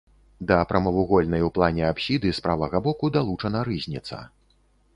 Да прамавугольнай у плане апсіды з правага боку далучана рызніца.